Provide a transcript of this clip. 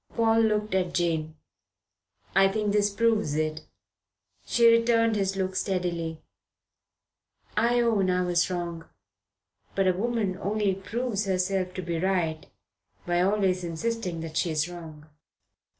Paul looked at Jane. "I think this proves it." She returned his look steadily. "I own I was wrong. But a woman only proves herself to be right by always insisting that she is wrong."